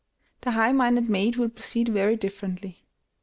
The high minded maid will proceed very differently.